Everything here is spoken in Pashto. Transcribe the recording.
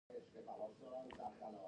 منفي نظر بدل شي.